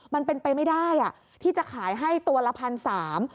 มันเป็นไปไม่ได้อ่ะที่จะขายให้ตัวละพันสาม